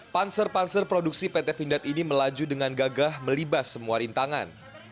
panzer panzer produksi pt vindad ini melaju dengan gagah melibas semua rintangan